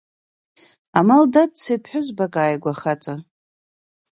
Амал даццеит ԥҳәызбак ааигәа хаҵа…